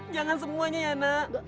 jangan semuanya ya nak